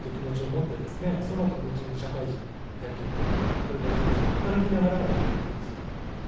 そのあとのちに社会人野球っていう所にトヨタ自動車で働きながら今度野球をするっていう。